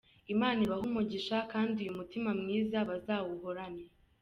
Imana ibahe umugisha kandi uyu mutima mwiza bazawuhorane.